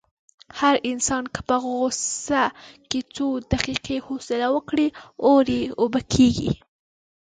هر انسان که په غوسه کې څو دقیقې حوصله وکړي، اور یې اوبه کېږي.